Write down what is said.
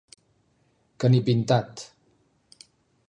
Que ni pintat.